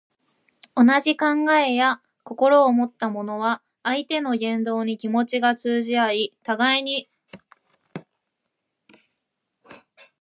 同じ考えや心をもった者は、相手の言動に気持ちが通じ合い、互いに相応じ合うということ。また、人の歌声や笛・琴の音などが、あたかも竜やとらのさけび声が天空にとどろき渡るように響くことをいう。